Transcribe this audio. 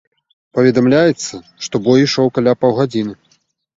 Паведамляецца, што бой ішоў каля паўгадзіны.